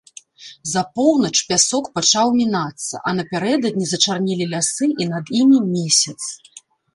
За поўнач пясок пачаў мінацца, а напярэдадні зачарнелі лясы і над імі месяц.